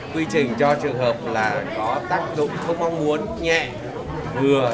quy trình cho trường hợp là có tác dụng không mong muốn nhẹ ngừa